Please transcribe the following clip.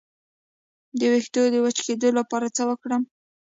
د ویښتو د وچ کیدو لپاره باید څه وکاروم؟